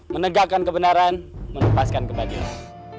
menegakkan kebenaran menepaskan kebahagiaan